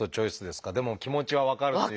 でも気持ちは分かるというか。